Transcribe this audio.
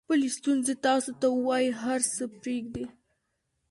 خپلې ستونزې تاسو ته ووایي هر څه پرېږدئ.